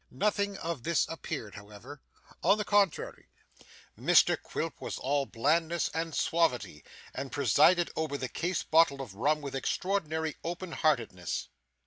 Nothing of this appeared, however. On the contrary, Mr Quilp was all blandness and suavity, and presided over the case bottle of rum with extraordinary open heartedness.